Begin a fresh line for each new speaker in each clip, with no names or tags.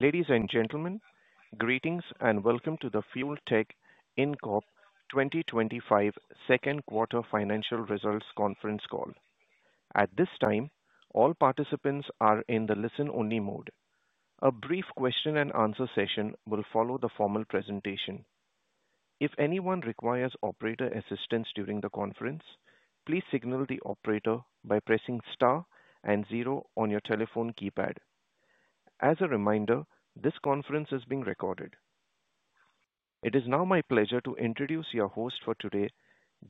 Ladies and gentlemen, greetings and welcome to the Fuel Tech Inc. 2025 Second Quarter Financial Results Conference Call. At this time, all participants are in the listen-only mode. A brief question and answer session will follow the formal presentation. If anyone requires operator assistance during the conference, please signal the operator by pressing star and zero on your telephone keypad. As a reminder, this conference is being recorded. It is now my pleasure to introduce your host for today,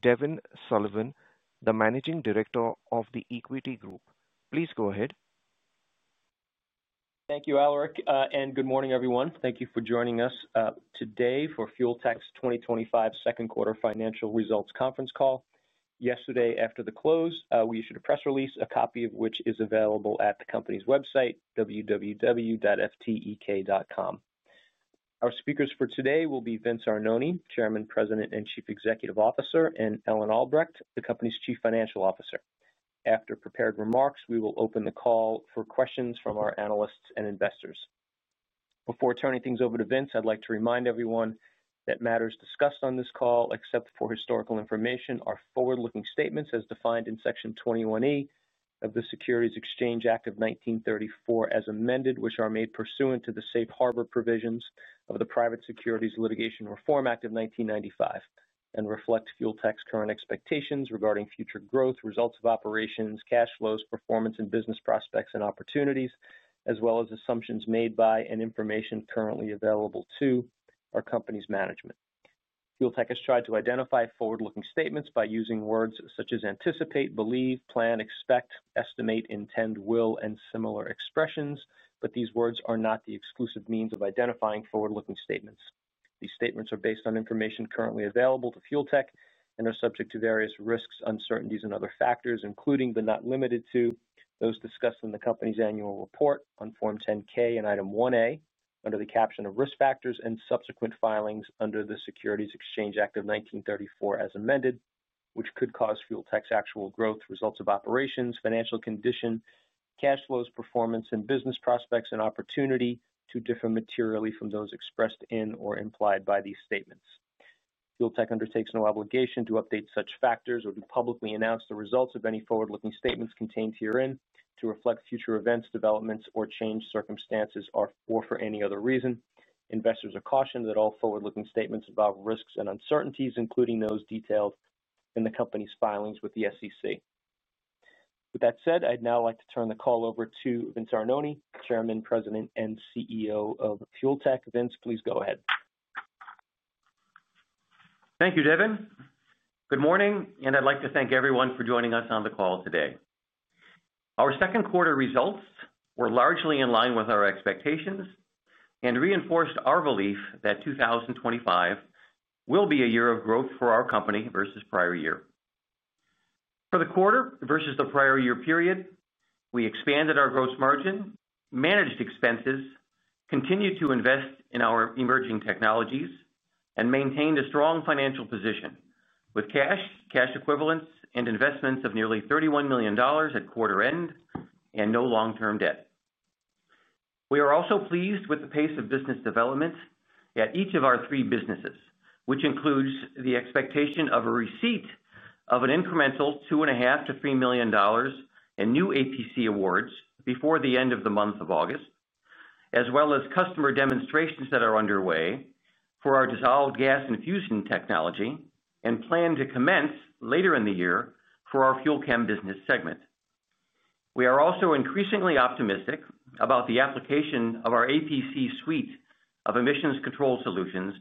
Devin Sullivan, the Managing Director of The Equity Group. Please go ahead.
Thank you, Alourik, and good morning everyone. Thank you for joining us today for Fuel Tech's 2025 Second Quarter Financial Results Conference call. Yesterday, after the close, we issued a press release, a copy of which is available at the company's website, www.ftec.com. Our speakers for today will be Vince Arnone, Chairman, President and Chief Executive Officer, and Ellen Albrecht, the Company's Chief Financial Officer. After prepared remarks, we will open the call for questions from our analysts and investors. Before turning things over to Vince, I'd like to remind everyone that matters discussed on this call, except for historical information, are forward-looking statements as defined in Section 21(e) of the Securities Exchange Act of 1934 as amended, which are made pursuant to the Safe Harbor provisions of the Private Securities Litigation Reform Act of 1995, and reflect Fuel Tech's current expectations regarding future growth, results of operations, cash flows, performance, and business prospects and opportunities, as well as assumptions made by, and information currently available to, our company's management. Fuel Tech has tried to identify forward-looking statements by using words such as anticipate, believe, plan, expect, estimate, intend, will, and similar expressions, but these words are not the exclusive means of identifying forward-looking statements. These statements are based on information currently available to Fuel Tech and are subject to various risks, uncertainties, and other factors, including, but not limited to, those discussed in the company's annual report on Form 10-K and Item 1-A, under the caption of risk factors and subsequent filings under the Securities Exchange Act of 1934 as amended, which could cause Fuel Tech's actual growth, results of operations, financial condition, cash flows, performance, and business prospects and opportunity to differ materially from those expressed in or implied by these statements. Fuel Tech undertakes no obligation to update such factors or to publicly announce the results of any forward-looking statements contained herein to reflect future events, developments, or change circumstances or for any other reason. Investors are cautioned that all forward-looking statements involve risks and uncertainties, including those detailed in the company's filings with the SEC. With that said, I'd now like to turn the call over to Vince Arnone, Chairman, President, and CEO of Fuel Tech. Vince, please go ahead.
Thank you, Devin. Good morning, and I'd like to thank everyone for joining us on the call today. Our second quarter results were largely in line with our expectations and reinforced our belief that 2025 will be a year of growth for our company versus prior year. For the quarter versus the prior year period, we expanded our gross margin, managed expenses, continued to invest in our emerging technologies, and maintained a strong financial position with cash, cash equivalents, and investments of nearly $31 million at quarter end and no long-term debt. We are also pleased with the pace of business development at each of our three businesses, which includes the expectation of a receipt of an incremental $2.5-$3 million in new APC awards before the end of the month of August, as well as customer demonstrations that are underway for our Dissolved Gas Infusion technology and plan to commence later in the year for our FUEL CHEM business segment. We are also increasingly optimistic about the application of our APC suite of emissions control solutions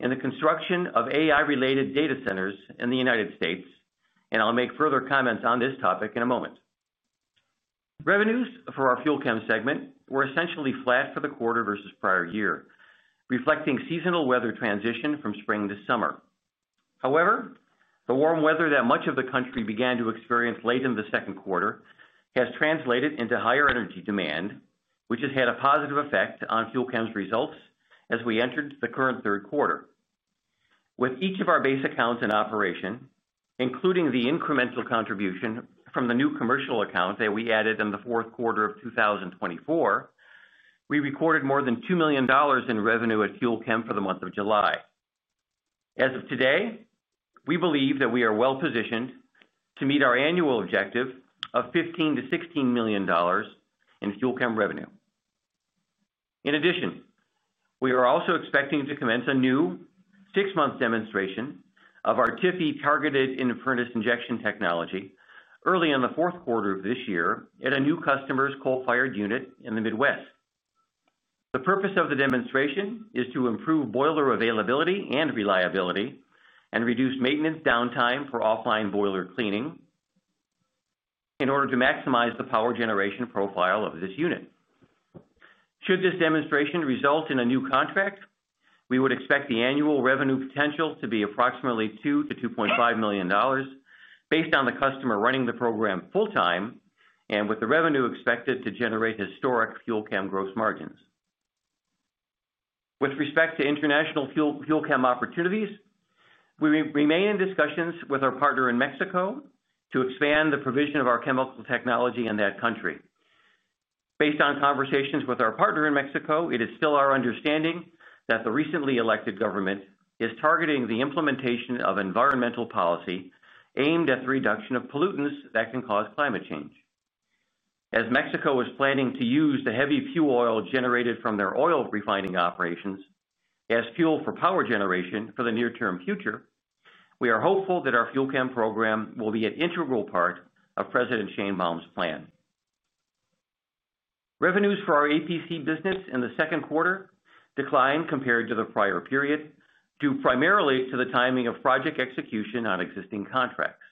in the construction of AI-related data centers in the United States, and I'll make further comments on this topic in a moment. Revenues for our FUEL CHEM segment were essentially flat for the quarter versus prior year, reflecting seasonal weather transition from spring to summer. However, the warm weather that much of the country began to experience late in the second quarter has translated into higher energy demand, which has had a positive effect on FUEL CHEM's results as we entered the current third quarter. With each of our base accounts in operation, including the incremental contribution from the new commercial account that we added in the fourth quarter of 2024, we recorded more than $2 million in revenue at FUEL CHEM for the month of July. As of today, we believe that we are well positioned to meet our annual objective of $15-$16 million in FUEL CHEM revenue. In addition, we are also expecting to commence a new six-month demonstration of our TIFI Targeted In-Furnace Injection technology early in the fourth quarter of this year at a new customer's coal-fired unit in the Midwest. The purpose of the demonstration is to improve boiler availability and reliability and reduce maintenance downtime for offline boiler cleaning in order to maximize the power generation profile of this unit. Should this demonstration result in a new contract, we would expect the annual revenue potential to be approximately $2-$2.5 million based on the customer running the program full-time and with the revenue expected to generate historic FUEL CHEM gross margins. With respect to international FUEL CHEM opportunities, we remain in discussions with our partner in Mexico to expand the provision of our chemical technology in that country. Based on conversations with our partner in Mexico, it is still our understanding that the recently elected government is targeting the implementation of environmental policy aimed at the reduction of pollutants that can cause climate change. As Mexico is planning to use the heavy fuel oil generated from their oil refining operations as fuel for power generation for the near-term future, we are hopeful that our FUEL CHEM program will be an integral part of President Sheinbaum's plan. Revenues for our Air Pollution Control (APC) business in the second quarter declined compared to the prior period due primarily to the timing of project execution on existing contracts.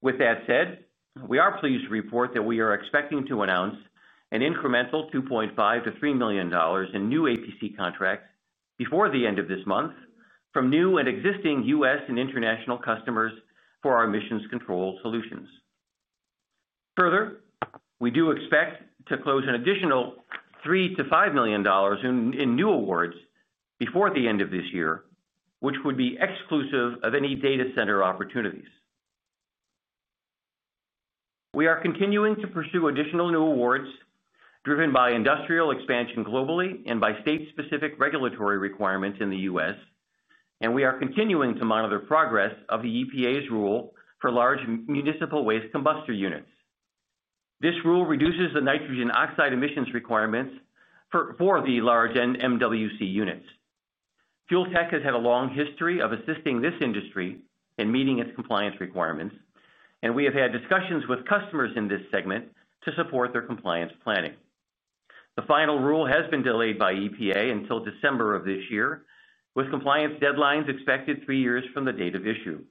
With that said, we are pleased to report that we are expecting to announce an incremental $2.5-$3 million in new APC contracts before the end of this month from new and existing U.S. and international customers for our emissions control solutions. Further, we do expect to close an additional $3-$5 million in new awards before the end of this year, which would be exclusive of any data center opportunities. We are continuing to pursue additional new awards driven by industrial expansion globally and by state-specific regulatory requirements in the U.S., and we are continuing to monitor progress of the EPA's rule for large municipal waste combustor units. This rule reduces the nitrogen oxide emissions requirements for the large MWC units. Fuel Tech has had a long history of assisting this industry in meeting its compliance requirements, and we have had discussions with customers in this segment to support their compliance planning. The final rule has been delayed by EPA until December of this year, with compliance deadlines expected three years from the date of issue.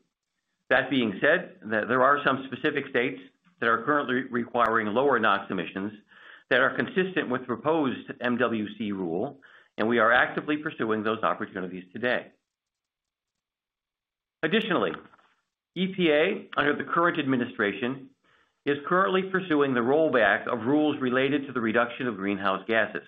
That being said, there are some specific states that are currently requiring lower NOx emissions that are consistent with the proposed MWC rule, and we are actively pursuing those opportunities today. Additionally, EPA, under the current administration, is currently pursuing the rollback of rules related to the reduction of greenhouse gases.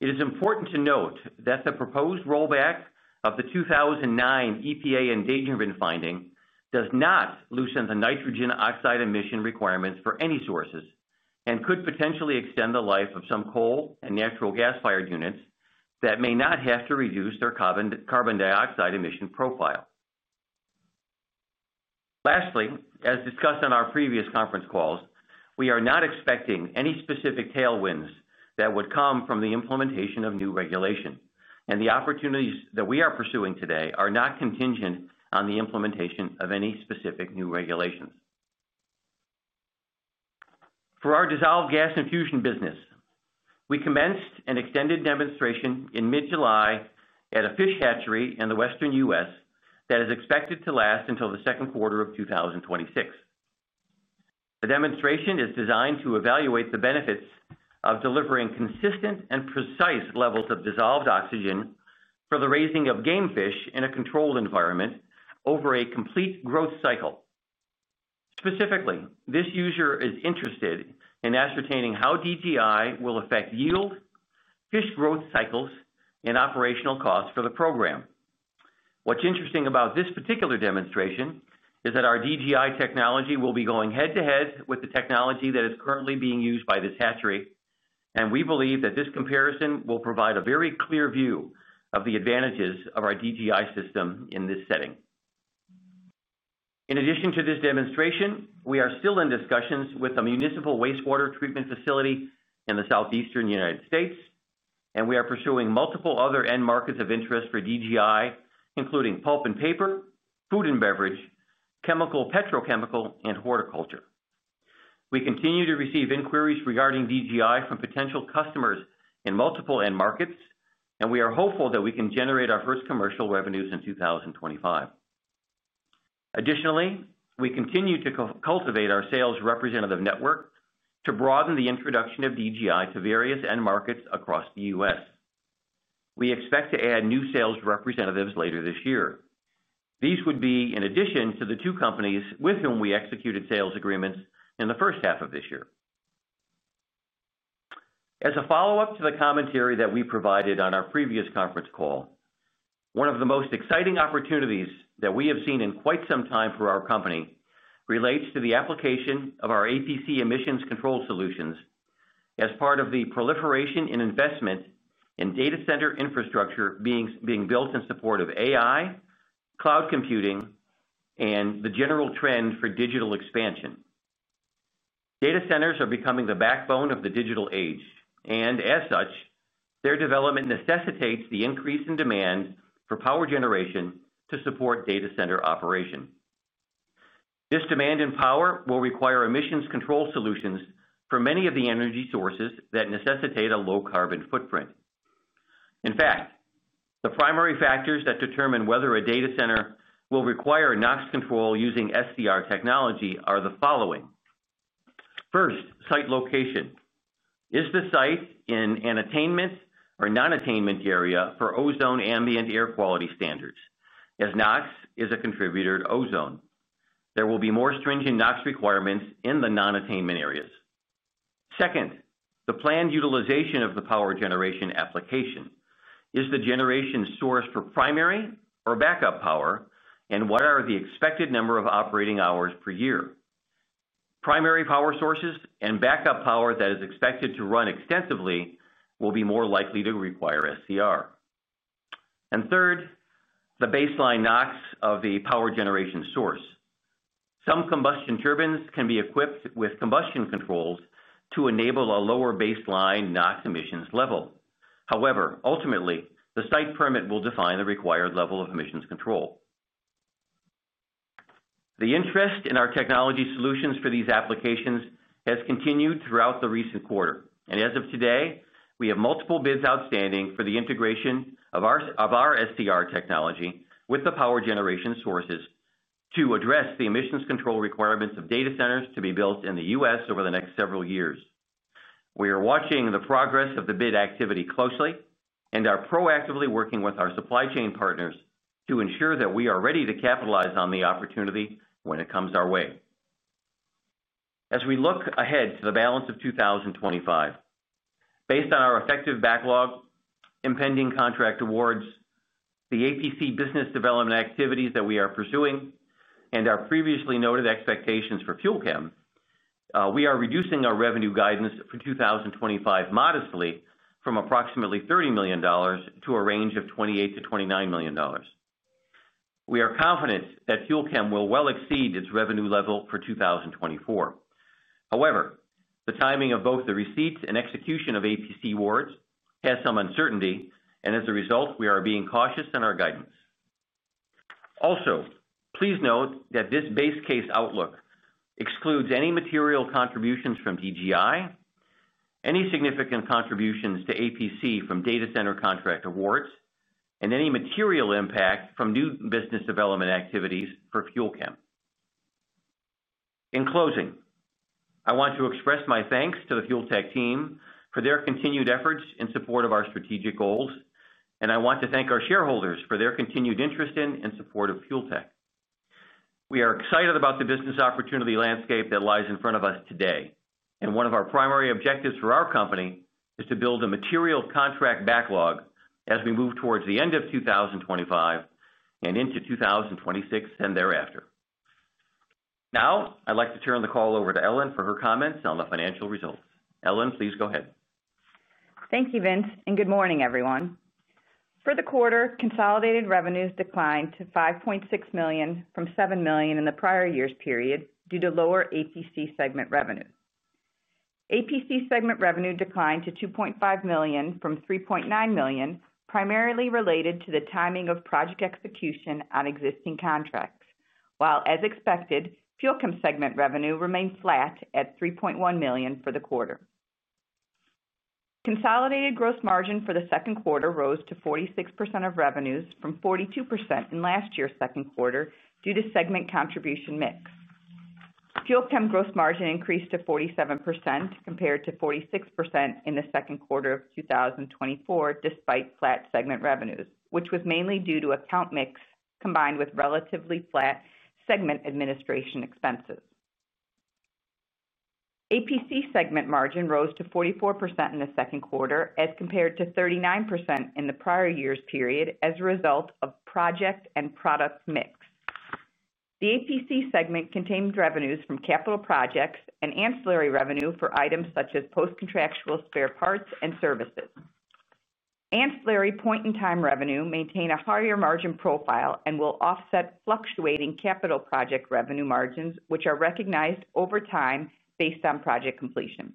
It is important to note that the proposed rollback of the 2009 EPA endangerment finding does not loosen the nitrogen oxide emission requirements for any sources and could potentially extend the life of some coal and natural gas-fired units that may not have to reduce their carbon dioxide emission profile. Lastly, as discussed in our previous conference calls, we are not expecting any specific tailwinds that would come from the implementation of new regulations, and the opportunities that we are pursuing today are not contingent on the implementation of any specific new regulations. For our Dissolved Gas Infusion business, we commenced an extended demonstration in mid-July at a fish hatchery in the Western U.S. that is expected to last until the second quarter of 2026. The demonstration is designed to evaluate the benefits of delivering consistent and precise levels of dissolved oxygen for the raising of game fish in a controlled environment over a complete growth cycle. Specifically, this user is interested in ascertaining how DGI will affect yield, fish growth cycles, and operational costs for the program. What's interesting about this particular demonstration is that our DGI technology will be going head-to-head with the technology that is currently being used by this hatchery, and we believe that this comparison will provide a very clear view of the advantages of our DGI system in this setting. In addition to this demonstration, we are still in discussions with a municipal wastewater treatment facility in the Southeastern United States, and we are pursuing multiple other end markets of interest for DGI, including pulp and paper, food and beverage, chemical petrochemical, and horticulture. We continue to receive inquiries regarding DGI from potential customers in multiple end markets, and we are hopeful that we can generate our first commercial revenues in 2025. Additionally, we continue to cultivate our sales representative network to broaden the introduction of DGI to various end markets across the U.S. We expect to add new sales representatives later this year. These would be in addition to the two companies with whom we executed sales agreements in the first half of this year. As a follow-up to the commentary that we provided on our previous conference call, one of the most exciting opportunities that we have seen in quite some time for our company relates to the application of our APC emissions control solutions as part of the proliferation in investment in data center infrastructure being built in support of AI, cloud computing, and the general trend for digital expansion. Data centers are becoming the backbone of the digital age, and as such, their development necessitates the increase in demand for power generation to support data center operation. This demand in power will require emissions control solutions for many of the energy sources that necessitate a low carbon footprint. In fact, the primary factors that determine whether a data center will require NOx control using SCR technology are the following: First, site location. Is the site in an attainment or non-attainment area for ozone ambient air quality standards, as NOx is a contributor to ozone? There will be more stringent NOx requirements in the non-attainment areas. Second, the planned utilization of the power generation application. Is the generation source for primary or backup power, and what are the expected number of operating hours per year? Primary power sources and backup power that are expected to run extensively will be more likely to require SCR. Third, the baseline NOx of the power generation source. Some combustion turbines can be equipped with combustion controls to enable a lower baseline NOx emissions level. However, ultimately, the site permit will define the required level of emissions control. The interest in our technology solutions for these applications has continued throughout the recent quarter, and as of today, we have multiple bids outstanding for the integration of our SCR technology with the power generation sources to address the emissions control requirements of data centers to be built in the U.S. over the next several years. We are watching the progress of the bid activity closely and are proactively working with our supply chain partners to ensure that we are ready to capitalize on the opportunity when it comes our way. As we look ahead to the balance of 2025, based on our effective backlog, impending contract awards, the APC business development activities that we are pursuing, and our previously noted expectations for FUEL CHEM, we are reducing our revenue guidance for 2025 modestly from approximately $30 million to a range of $28-$29 million. We are confident that FUEL CHEM will well exceed its revenue level for 2024. However, the timing of both the receipts and execution of APC awards has some uncertainty, and as a result, we are being cautious in our guidance. Also, please note that this base case outlook excludes any material contributions from DGI, any significant contributions to APC from data center contract awards, and any material impact from new business development activities for FUEL CHEM. In closing, I want to express my thanks to the Fuel Tech team for their continued efforts in support of our strategic goals, and I want to thank our shareholders for their continued interest in and support of Fuel Tech. We are excited about the business opportunity landscape that lies in front of us today, and one of our primary objectives for our company is to build a material contract backlog as we move towards the end of 2025 and into 2026 and thereafter. Now, I'd like to turn the call over to Ellen for her comments on the financial results. Ellen, please go ahead.
Thank you, Vince, and good morning everyone. For the quarter, consolidated revenues declined to $5.6 million from $7 million in the prior year's period due to lower APC segment revenue. APC segment revenue declined to $2.5 million from $3.9 million, primarily related to the timing of project execution on existing contracts. While, as expected, FUEL CHEM segment revenue remained flat at $3.1 million for the quarter. Consolidated gross margin for the second quarter rose to 46% of revenues from 42% in last year's second quarter due to segment contribution mix. FUEL CHEM gross margin increased to 47% compared to 46% in the second quarter of 2024, despite flat segment revenues, which was mainly due to account mix combined with relatively flat segment administration expenses. APC segment margin rose to 44% in the second quarter as compared to 39% in the prior year's period as a result of project and product mix. The APC segment contained revenues from capital projects and ancillary revenue for items such as post-contractual spare parts and services. Ancillary point-in-time revenue maintained a higher margin profile and will offset fluctuating capital project revenue margins, which are recognized over time based on project completion.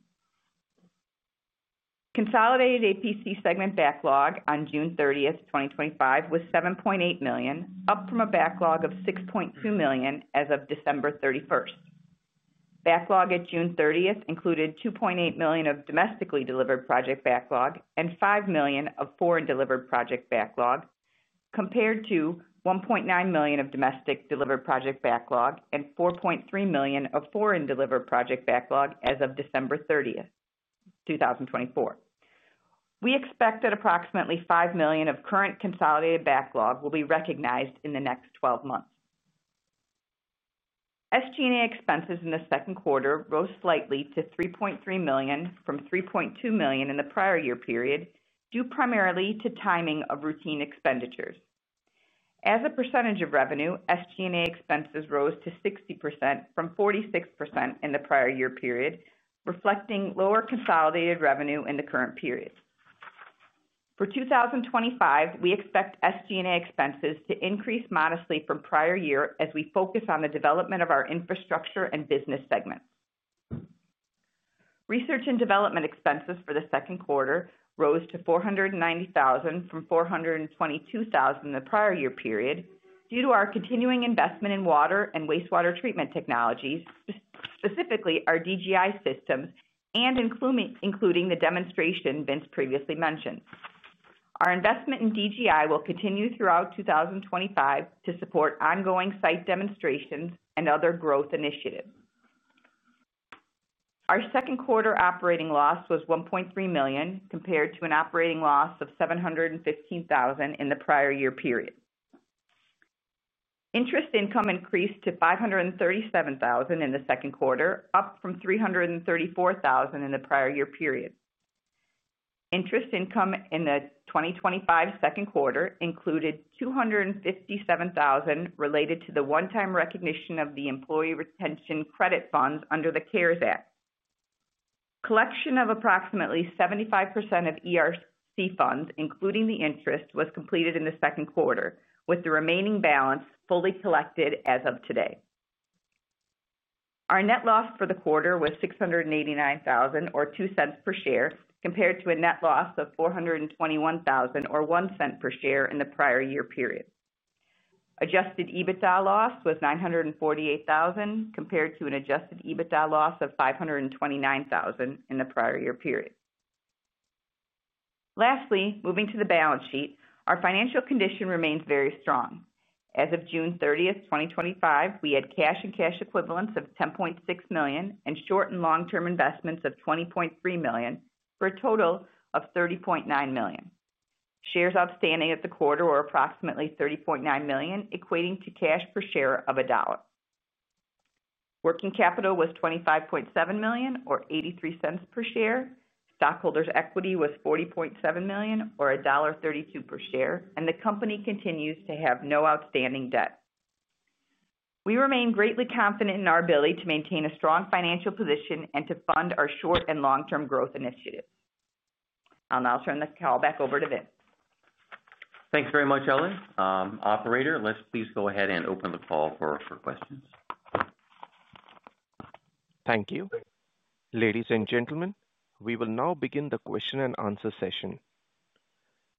Consolidated APC segment backlog on June 30, 2025 was $7.8 million, up from a backlog of $6.2 million as of December 31st. Backlog at June 30th included $2.8 million of domestically delivered project backlog and $5 million of foreign delivered project backlog, compared to $1.9 million of domestic delivered project backlog and $4.3 million of foreign delivered project backlog as of December 30th, 2024. We expect that approximately $5 million of current consolidated backlog will be recognized in the next 12 months. SG&A expenses in the second quarter rose slightly to $3.3 million from $3.2 million in the prior year period, due primarily to timing of routine expenditures. As a percentage of revenue, SG&A expenses rose to 60% from 46% in the prior year period, reflecting lower consolidated revenue in the current period. For 2025, we expect SG&A expenses to increase modestly from prior year as we focus on the development of our infrastructure and business segment. Research and development expenses for the second quarter rose to $490,000 from $422,000 in the prior year period due to our continuing investment in water and wastewater treatment technologies, specifically our DGI systems and including the demonstration Vince previously mentioned. Our investment in DGI will continue throughout 2025 to support ongoing site demonstrations and other growth initiatives. Our second quarter operating loss was $1.3 million compared to an operating loss of $715,000 in the prior year period. Interest income increased to $537,000 in the second quarter, up from $334,000 in the prior year period. Interest income in the 2025 second quarter included $257,000 related to the one-time recognition of the employee retention credit funds under the CARES Act. Collection of approximately 75% of ERC funds, including the interest, was completed in the second quarter, with the remaining balance fully collected as of today. Our net loss for the quarter was $689,000 or $0.02 per share compared to a net loss of $421,000 or $0.01 per share in the prior year period. Adjusted EBITDA loss was $948,000 compared to an adjusted EBITDA loss of $529,000 in the prior year period. Lastly, moving to the balance sheet, our financial condition remains very strong. As of June 30th, 2025, we had cash and cash equivalents of $10.6 million and short and long-term investments of $20.3 million for a total of $30.9 million. Shares outstanding at the quarter were approximately 30.9 million, equating to cash per share of $1. Working capital was $25.7 million or $0.83 per share. Stockholders' equity was $40.7 million or $1.32 per share, and the company continues to have no outstanding debt. We remain greatly confident in our ability to maintain a strong financial position and to fund our short and long-term growth initiatives. I'll now turn the call back over to Vince.
Thanks very much, Ellen. Operator, let's please go ahead and open the call for questions.
Thank you. Ladies and gentlemen, we will now begin the question and answer session.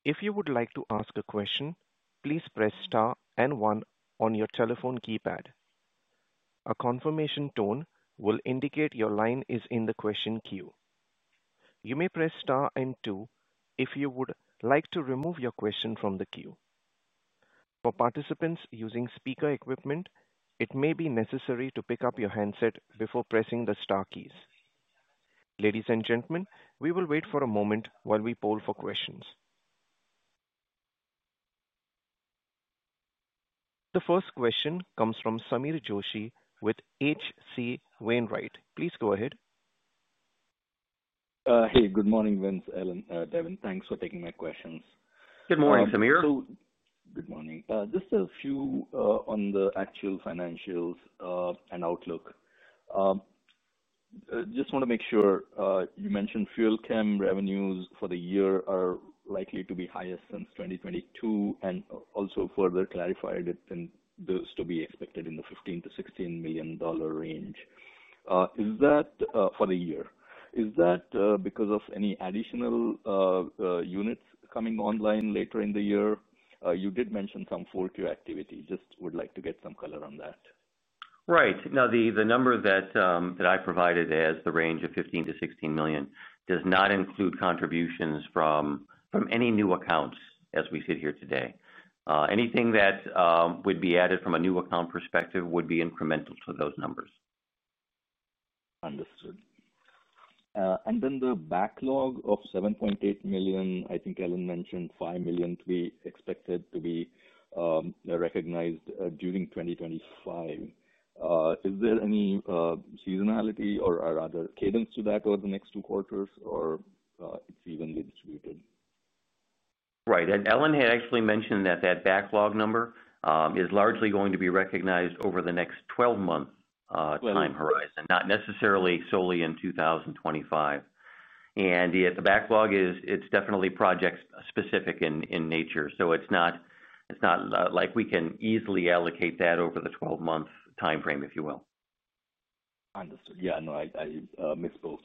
If you would like to ask a question, please press star and one on your telephone keypad. A confirmation tone will indicate your line is in the question queue. You may press star and two if you would like to remove your question from the queue. For participants using speaker equipment, it may be necessary to pick up your handset before pressing the star keys. Ladies and gentlemen, we will wait for a moment while we poll for questions. The first question comes from Sameer Joshi with H.C. Wainwright. Please go ahead.
Hey, good morning, Vince, Ellen, Devin. Thanks for taking my questions.
Good morning, Sameer.
Good morning. Just a few on the actual financials and outlook. I just want to make sure you mentioned FUEL CHEM revenues for the year are likely to be highest since 2022 and also further clarified that those to be expected in the $15-$16 million range. Is that for the year? Is that because of any additional units coming online later in the year? You did mention some four-tier activity. Just would like to get some color on that.
Right. Now, the number that I provided as the range of $15 million-$16 million does not include contributions from any new accounts as we sit here today. Anything that would be added from a new account perspective would be incremental to those numbers.
Understood. The backlog of $7.8 million, I think Ellen mentioned $5 million to be expected to be recognized during 2025. Is there any seasonality or rather cadence to that over the next two quarters, or is it evenly distributed?
Right. Ellen had actually mentioned that that backlog number is largely going to be recognized over the next 12-month time horizon, not necessarily solely in 2025. The backlog is definitely project-specific in nature, so it's not like we can easily allocate that over the 12-month timeframe, if you will.
Understood. No, I misspoke,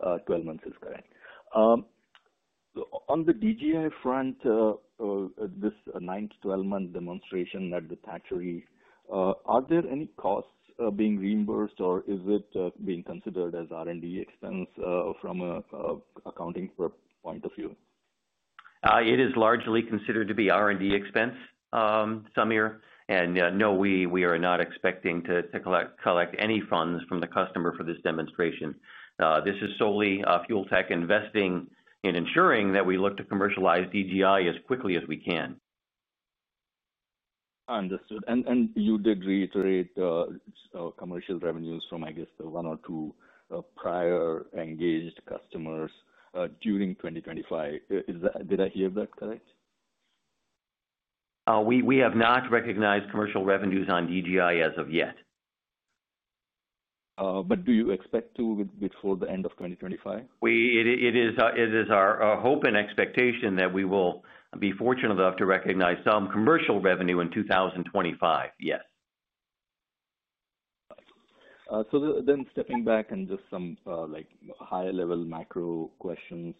but 12 months is correct. On the DGI front, this 912 month demonstration at the hatchery, are any costs being reimbursed or is it being considered as R&D expense from an accounting point of view?
It is largely considered to be R&D expense, Sameer. No, we are not expecting to collect any funds from the customer for this demonstration. This is solely Fuel Tech investing in ensuring that we look to commercialize DGI as quickly as we can.
Understood. You did reiterate commercial revenues from, I guess, the one or two prior engaged customers during 2025. Did I hear that correct?
We have not recognized commercial revenues on DGI as of yet.
Do you expect to before the end of 2025?
It is our hope and expectation that we will be fortunate enough to recognize some commercial revenue in 2025, yes.
Stepping back and just some higher-level macro questions,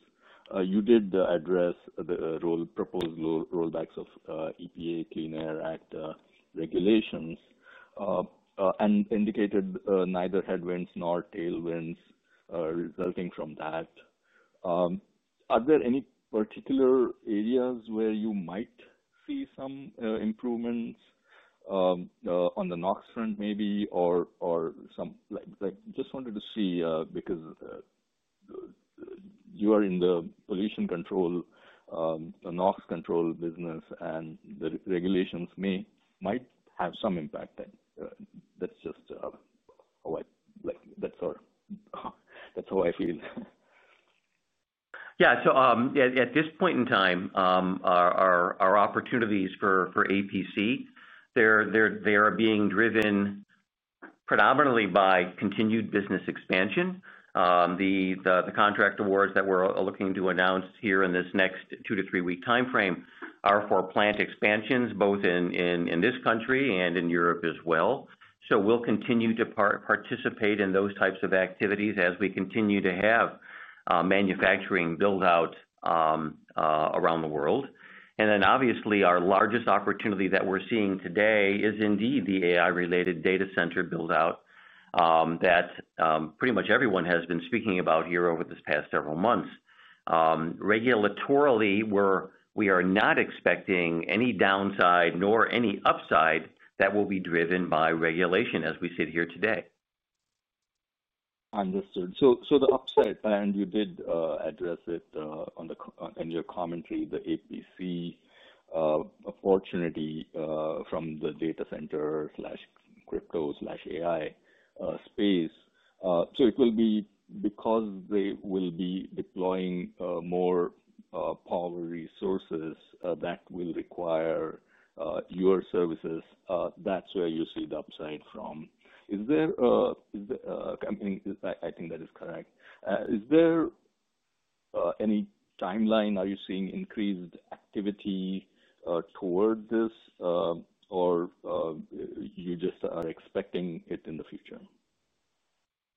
you did address the proposed rollbacks of EPA Clean Air Act regulations and indicated neither headwinds nor tailwinds are resulting from that. Are there any particular areas where you might see some improvements on the NOx front, maybe, or some? I just wanted to see because you are in the pollution control, NOx control business, and the regulations might have some impact. That's just how I feel.
At this point in time, our opportunities for APC are being driven predominantly by continued business expansion. The contract awards that we're looking to announce here in this next two to three-week timeframe are for plant expansions, both in this country and in Europe as well. We'll continue to participate in those types of activities as we continue to have manufacturing build-out around the world. Obviously, our largest opportunity that we're seeing today is indeed the AI-related data center build-out that pretty much everyone has been speaking about here over this past several months. Regulatorily, we are not expecting any downside nor any upside that will be driven by regulation as we sit here today.
Understood. The upside, and you did address it in your commentary, the APC opportunity from the data center/crypto/AI space. It will be because they will be deploying more power resources that will require your services. That's where you see the upside from. I think that is correct. Is there any timeline? Are you seeing increased activity toward this, or you just are expecting it in the future?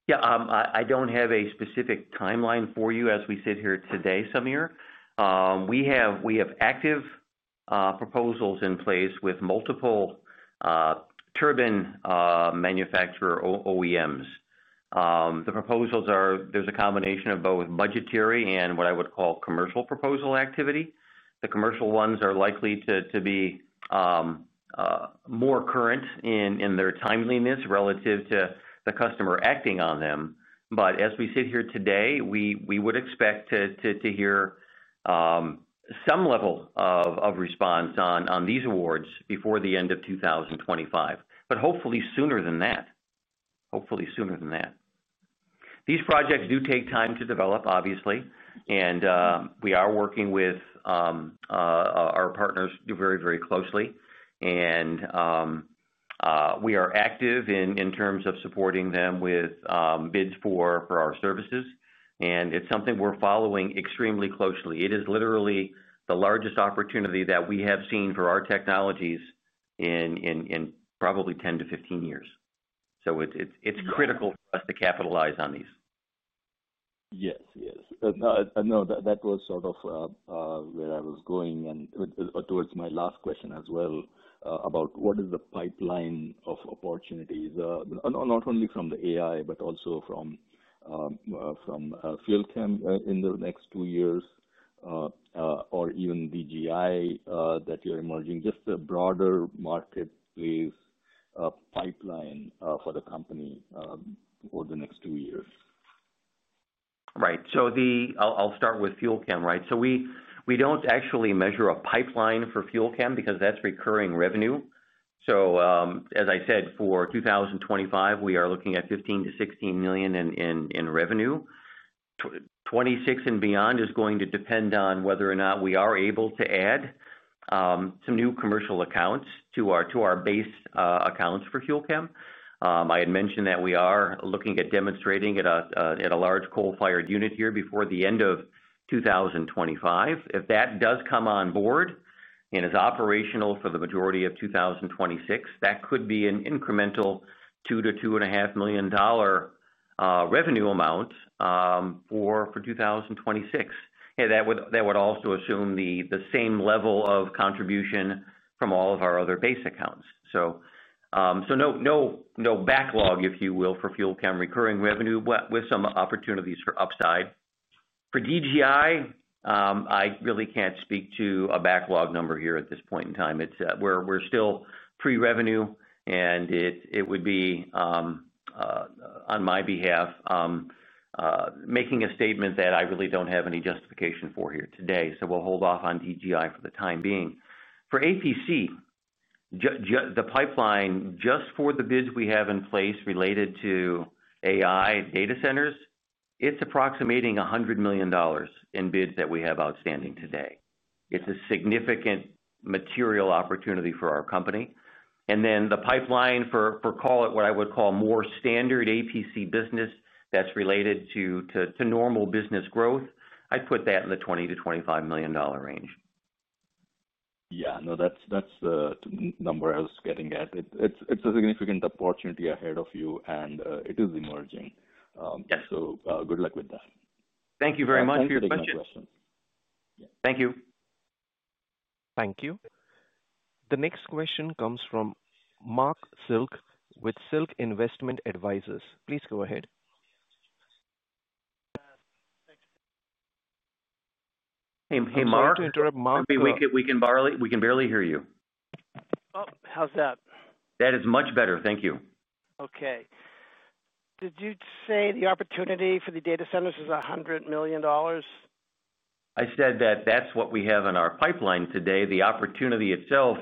Yeah, I don't have a specific timeline for you as we sit here today, Sameer. We have active proposals in place with multiple turbine manufacturer OEMs. The proposals are a combination of both budgetary and what I would call commercial proposal activity. The commercial ones are likely to be more current in their timeliness relative to the customer acting on them. As we sit here today, we would expect to hear some level of response on these awards before the end of 2025, but hopefully sooner than that. These projects do take time to develop, obviously, and we are working with our partners very, very closely. We are active in terms of supporting them with bids for our services, and it's something we're following extremely closely. It is literally the largest opportunity that we have seen for our technologies in probably 10-15 years. It's critical for us to capitalize on these.
Yes, that was sort of where I was going and towards my last question as well about what is the pipeline of opportunities, not only from the AI, but also from FUEL CHEM in the next two years, or even DGI that you're emerging, just the broader marketplace pipeline for the company over the next two years.
Right. I'll start with FUEL CHEM, right? We don't actually measure a pipeline for FUEL CHEM because that's recurring revenue. As I said, for 2025, we are looking at $15-$16 million in revenue. 2026 and beyond is going to depend on whether or not we are able to add some new commercial accounts to our base accounts for FUEL CHEM. I had mentioned that we are looking at demonstrating at a large coal-fired unit here before the end of 2025. If that does come on board and is operational for the majority of 2026, that could be an incremental $2-$2.5 million revenue amount for 2026. That would also assume the same level of contribution from all of our other base accounts. No backlog, if you will, for FUEL CHEM recurring revenue, but with some opportunities for upside. For DGI, I really can't speak to a backlog number here at this point in time. We're still pre-revenue, and it would be on my behalf making a statement that I really don't have any justification for here today. We'll hold off on DGI for the time being. For APC, the pipeline just for the bids we have in place related to AI data centers, it's approximating $100 million in bids that we have outstanding today. It's a significant material opportunity for our company. The pipeline for what I would call more standard APC business that's related to normal business growth, I'd put that in the $20-$25 million range.
Yeah, no, that's the number I was getting at. It's a significant opportunity ahead of you, and it is emerging. Good luck with that.
Thank you very much for your question.
Thank you.
Thank you. The next question comes from Marc Silk with Silk Investment Advisors. Please go ahead.
Hey, Mark.
Sorry to interrupt, Marc.
We can barely hear you.
Oh, how's that?
That is much better. Thank you.
Okay. Did you say the opportunity for the data centers is $100 million?
I said that that's what we have in our pipeline today. The opportunity itself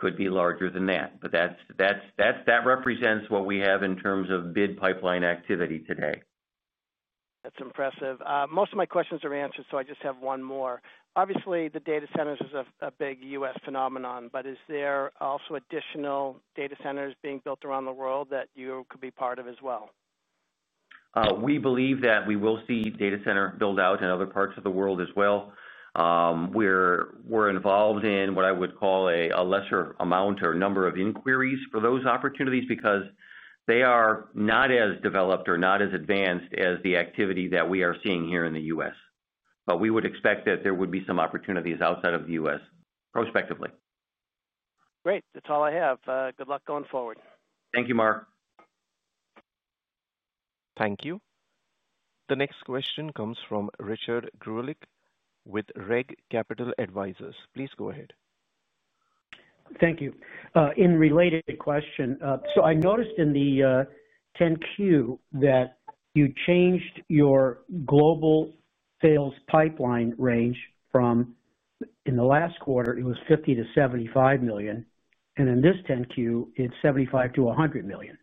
could be larger than that, but that represents what we have in terms of bid pipeline activity today.
That's impressive. Most of my questions are answered, so I just have one more. Obviously, the data centers are a big U.S. phenomenon, but is there also additional data centers being built around the world that you could be part of as well?
We believe that we will see data center build-out in other parts of the world as well. We're involved in what I would call a lesser amount or number of inquiries for those opportunities because they are not as developed or not as advanced as the activity that we are seeing here in the U.S. We would expect that there would be some opportunities outside of the U.S. prospectively.
Great. That's all I have. Good luck going forward.
Thank you, Marc.
Thank you. The next question comes from Richard Greulich with REG Capital Advisors. Please go ahead.
Thank you. In related question, I noticed in the 10-Q that you changed your global sales pipeline range from, in the last quarter, it was $50-$75 million, and in this 10-Q, it's $75-$100 million.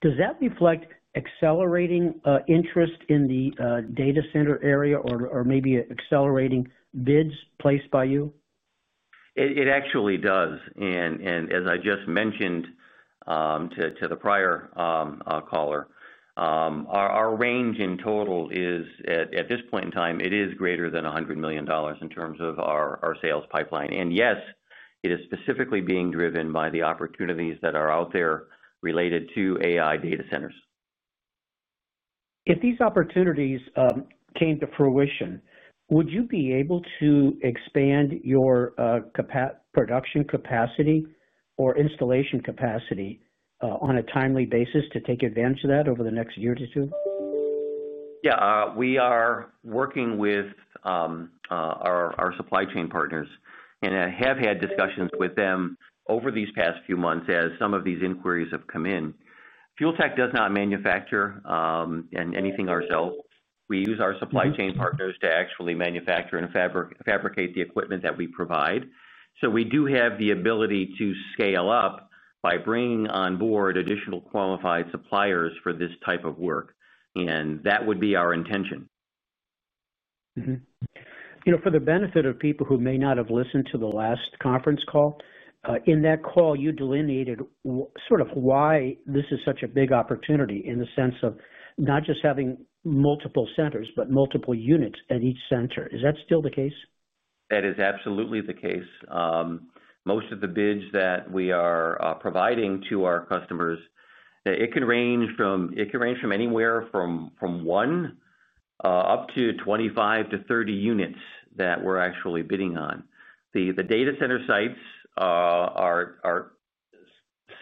Does that reflect accelerating interest in the data center area or maybe accelerating bids placed by you?
It actually does. As I just mentioned to the prior caller, our range in total is at this point in time, it is greater than $100 million in terms of our sales pipeline. Yes, it is specifically being driven by the opportunities that are out there related to AI data centers.
If these opportunities came to fruition, would you be able to expand your production capacity or installation capacity on a timely basis to take advantage of that over the next year or two?
We are working with our supply chain partners and have had discussions with them over these past few months as some of these inquiries have come in. Fuel Tech does not manufacture anything ourselves. We use our supply chain partners to actually manufacture and fabricate the equipment that we provide. We do have the ability to scale up by bringing on board additional qualified suppliers for this type of work. That would be our intention.
For the benefit of people who may not have listened to the last conference call, in that call, you delineated sort of why this is such a big opportunity in the sense of not just having multiple centers, but multiple units at each center. Is that still the case?
That is absolutely the case. Most of the bids that we are providing to our customers can range from anywhere from 1 up to 25-30 units that we're actually bidding on. The data center sites are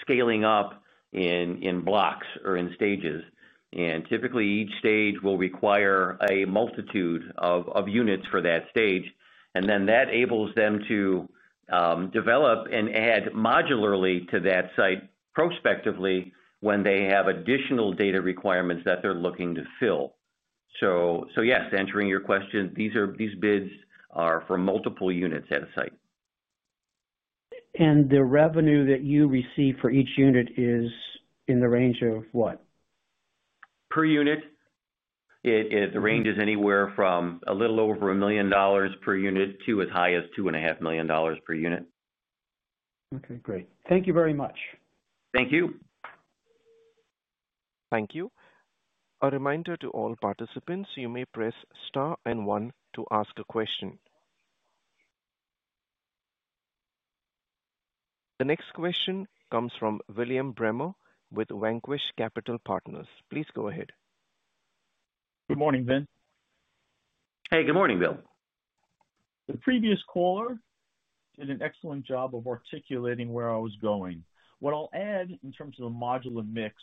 scaling up in blocks or in stages. Typically, each stage will require a multitude of units for that stage. That enables them to develop and add modularly to that site prospectively when they have additional data requirements that they're looking to fill. Yes, answering your question, these bids are for multiple units at a site.
is the revenue that you receive for each unit in the range of what?
Per unit, the range is anywhere from a little over $1 million per unit to as high as $2.5 million per unit.
Okay, great. Thank you very much.
Thank you.
Thank you. A reminder to all participants, you may press star and one to ask a question. The next question comes from William Bremer with Vanquish Capital Markets. Please go ahead.
Good morning, Vince.
Hey, good morning, Bill.
The previous caller did an excellent job of articulating where I was going. What I'll add in terms of the modular mix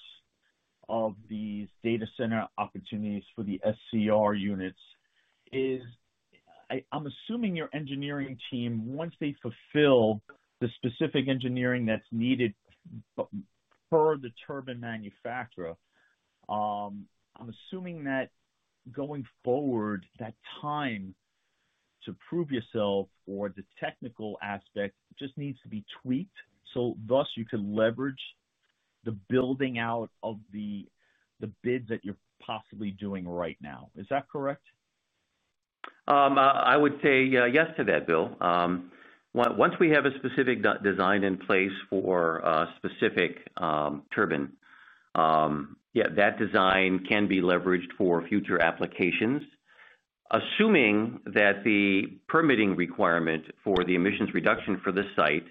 of these data center opportunities for the SCR units is I'm assuming your engineering team, once they fulfill the specific engineering that's needed for the turbine manufacturer, I'm assuming that going forward, that time to prove yourself or the technical aspect just needs to be tweaked, so thus you could leverage the building out of the bids that you're possibly doing right now. Is that correct?
I would say yes to that, Bill. Once we have a specific design in place for a specific turbine, yeah, that design can be leveraged for future applications, assuming that the permitting requirement for the emissions reduction for this site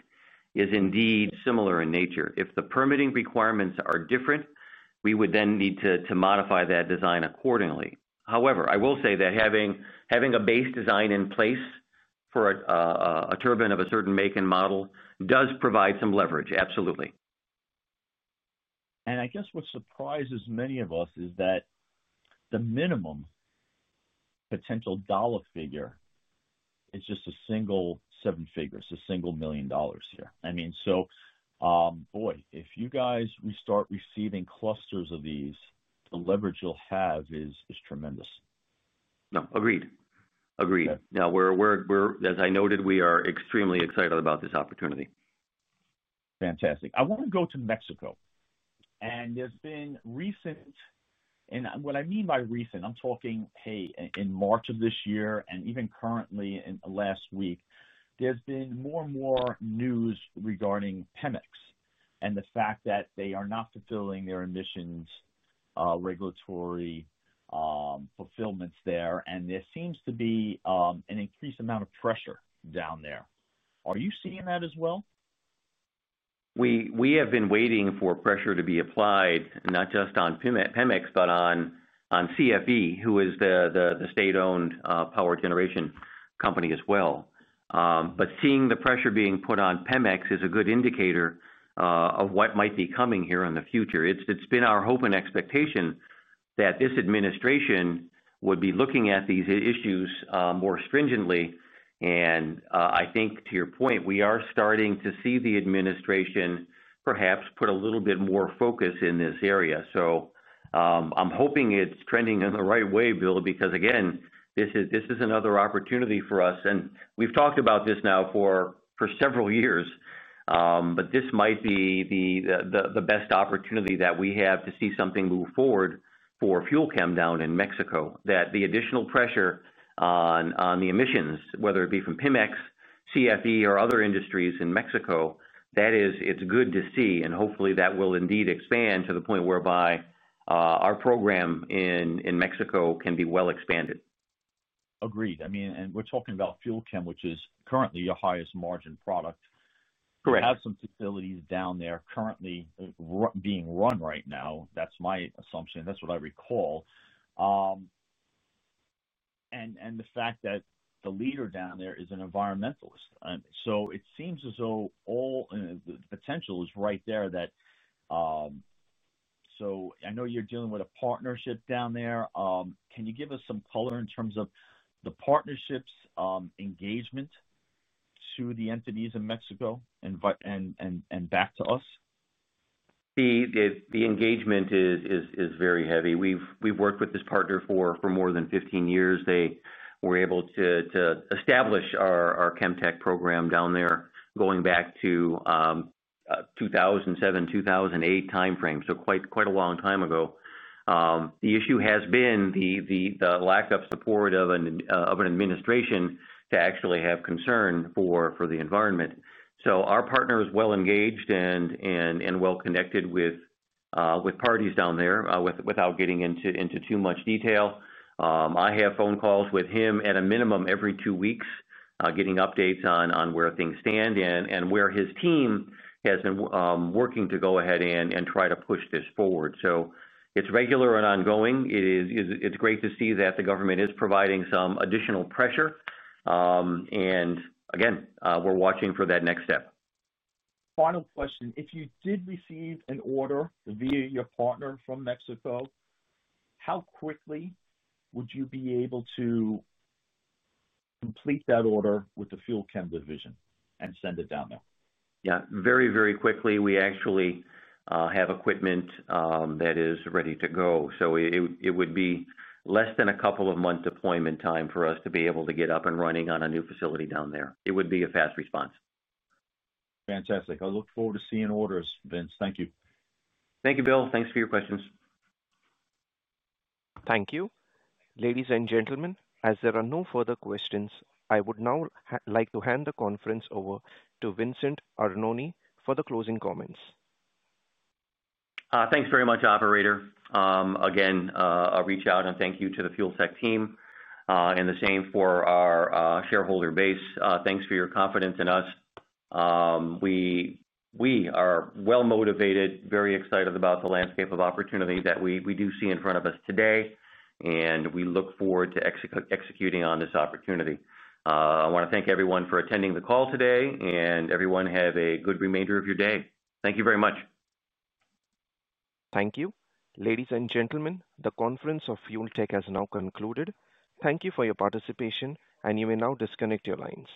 is indeed similar in nature. If the permitting requirements are different, we would then need to modify that design accordingly. However, I will say that having a base design in place for a turbine of a certain make and model does provide some leverage, absolutely.
I guess what surprises many of us is that the minimum potential dollar figure is just a single seven-figure. It's a single million dollars here. I mean, boy, if you guys start receiving clusters of these, the leverage you'll have is tremendous.
Agreed. Now, as I noted, we are extremely excited about this opportunity.
Fantastic. I want to go to Mexico. There's been recent, and what I mean by recent, I'm talking, hey, in March of this year and even currently in the last week, there's been more and more news regarding Pemex and the fact that they are not fulfilling their emissions regulatory fulfillments there. There seems to be an increased amount of pressure down there. Are you seeing that as well?
We have been waiting for pressure to be applied, not just on Pemex, but on CFE, who is the state-owned power generation company as well. Seeing the pressure being put on Pemex is a good indicator of what might be coming here in the future. It's been our hope and expectation that this administration would be looking at these issues more stringently. I think, to your point, we are starting to see the administration perhaps put a little bit more focus in this area. I'm hoping it's trending in the right way, Bill, because this is another opportunity for us. We've talked about this now for several years, but this might be the best opportunity that we have to see something move forward for FUEL CHEM down in Mexico. The additional pressure on the emissions, whether it be from Pemex, CFE, or other industries in Mexico, is good to see. Hopefully, that will indeed expand to the point whereby our program in Mexico can be well expanded.
Agreed. I mean, and we're talking about FUEL CHEM, which is currently your highest margin product. You have some facilities down there currently being run right now. That's my assumption. That's what I recall. The fact that the leader down there is an environmentalist, it seems as though all the potential is right there. I know you're dealing with a partnership down there. Can you give us some color in terms of the partnership's engagement to the entities in Mexico and back to us?
The engagement is very heavy. We've worked with this partner for more than 15 years. They were able to establish our chemtech program down there, going back to 2007, 2008 timeframe. Quite a long time ago. The issue has been the lack of support of an administration to actually have concern for the environment. Our partner is well engaged and well connected with parties down there, without getting into too much detail. I have phone calls with him at a minimum every two weeks, getting updates on where things stand and where his team has been working to go ahead and try to push this forward. It's regular and ongoing. It's great to see that the government is providing some additional pressure. Again, we're watching for that next step.
Final question. If you did receive an order via your partner from Mexico, how quickly would you be able to complete that order with the FUEL CHEM division and send it down there?
Yeah, very, very quickly. We actually have equipment that is ready to go. It would be less than a couple of months deployment time for us to be able to get up and running on a new facility down there. It would be a fast response.
Fantastic. I look forward to seeing orders, Vince. Thank you.
Thank you, Bill. Thanks for your questions.
Thank you. Ladies and gentlemen, as there are no further questions, I would now like to hand the conference over to Vince Arnone for the closing comments.
Thanks very much, Operator. Again, a reach out and thank you to the Fuel Tech team, and the same for our shareholder base. Thanks for your confidence in us. We are well-motivated, very excited about the landscape of opportunity that we do see in front of us today, and we look forward to executing on this opportunity. I want to thank everyone for attending the call today, and everyone have a good remainder of your day. Thank you very much.
Thank you. Ladies and gentlemen, the conference of Fuel Tech has now concluded. Thank you for your participation, and you may now disconnect your lines.